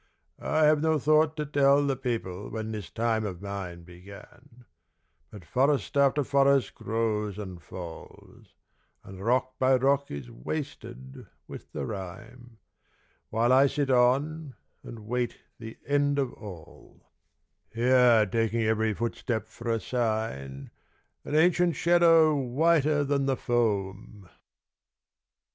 I have no thought to tell The people when this time of mine began; But forest after forest grows and falls, And rock by rock is wasted with the rime, While I sit on and wait the end of all; Here taking every footstep for a sign; An ancient shadow whiter than the foam!"